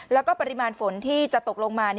แล้วก็ปริมาณฝนที่จะตกลงมา